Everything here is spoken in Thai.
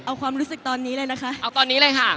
เอาความรู้สึกตอนนี้เลยนะคะ